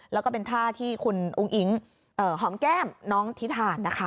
แล้วก็เป็นท่าที่คุณอุ้งอิ๊งหอมแก้มน้องธิธานนะคะ